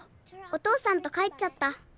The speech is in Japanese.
お父さんと帰っちゃった。